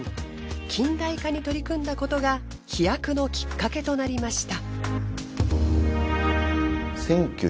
近代化に取り組んだことが飛躍のきっかけとなりました。